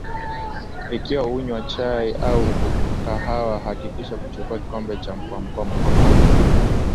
Ikiwa unywa chai au kahawa hakikisha kuchukua kikombe kwa mkono